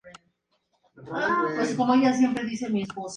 Y todos los nacionalismos se definen por aquello al que se oponen.